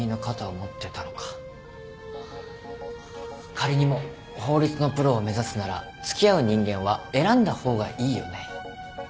仮にも法律のプロを目指すなら付き合う人間は選んだ方がいいよね。